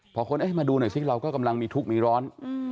พอคนมาดูหน่อยซิเราก็กำลังมีทุกข์มีร้อน